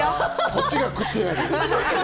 こっちが食ってやる！